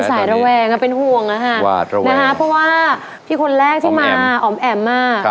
สายระแวงเป็นห่วงนะคะเพราะว่าพี่คนแรกที่มาอ๋อมแอ๋มมาก